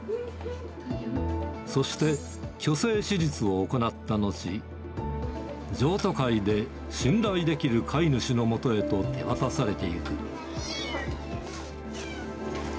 そして、去勢手術を行った後、譲渡会で信頼できる飼い主のもとへと手渡されていく。